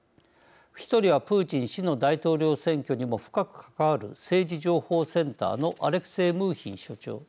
一人はプーチン氏の大統領選挙にも深く関わる政治情報センターのアレクセイ・ムーヒン所長。